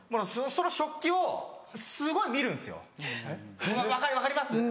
その食器をすごい見るんですよ分かります？